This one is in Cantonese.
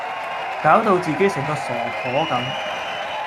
攪到自己成個傻婆咁